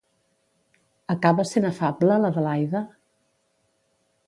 Acaba sent afable, l'Adelaida?